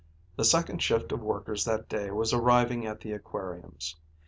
The second shift of workers that day was arriving at the aquariums.